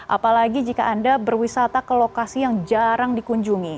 apalagi jika anda berwisata ke lokasi yang jarang dikunjungi